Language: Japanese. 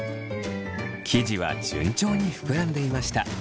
生地は順調にふくらんでいました。